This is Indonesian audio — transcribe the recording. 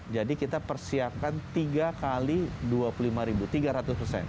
jadi kita persiapkan tiga kali dua puluh lima ribu tiga ratus persen